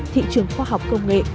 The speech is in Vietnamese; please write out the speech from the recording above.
thị trường khoa học công nghệ